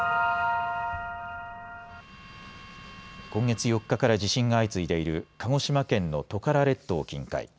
今月４日から地震が相次いでいる鹿児島県のトカラ列島近海。